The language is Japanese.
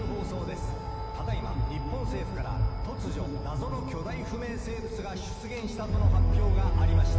ただいま日本政府からなぞの巨大不明生物が出現したとの発表がありました。